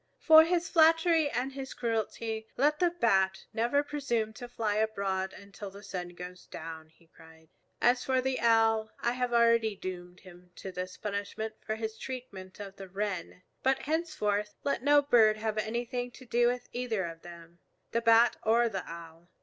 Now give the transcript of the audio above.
"For his flattery and his cruelty let the Bat never presume to fly abroad until the sun goes down," he cried. "As for the Owl, I have already doomed him to this punishment for his treatment of the Wren. But henceforth let no bird have anything to do with either of them, the Bat or the Owl.